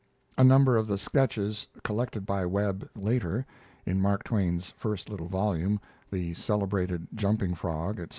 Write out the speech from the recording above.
A number of the sketches collected by Webb later, in Mark Twain's first little volume, the Celebrated Jumping Frog, Etc.